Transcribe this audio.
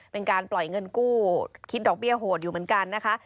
เป็นการปล่อยเงินกู้คิดดอกเบี้ยโหดอยู่เหมือนกันนะคะ